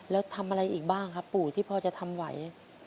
แล้วทำอะไรอีกบ้างครับปู่ที่พอจะทำไหว